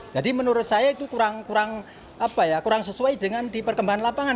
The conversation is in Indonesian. jadi menurut saya itu kurang sesuai dengan di perkembangan lapangan